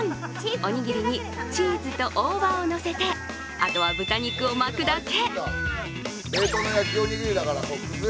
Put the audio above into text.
おにぎりにチーズと大葉をのせてあとは豚肉を巻くだけ。